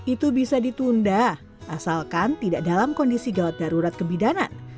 itu bisa ditunda asalkan tidak dalam kondisi gawat darurat kebidanan